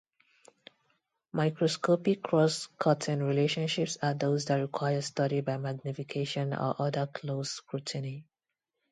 Microscopic cross-cutting relationships are those that require study by magnification or other close scrutiny.